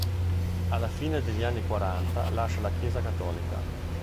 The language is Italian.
Alla fine degli anni quaranta lascia la Chiesa cattolica.